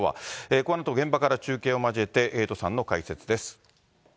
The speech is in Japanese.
このあと現場から中継を交えて、エイトさんの解説です。